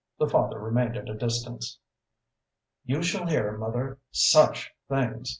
The father remained at a distance. "You shall hear, mother SUCH things!"